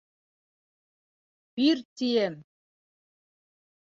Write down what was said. Бир, тием!